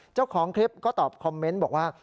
เจ้าของคลิปก็ตอบคอมเมนต์บอกว่า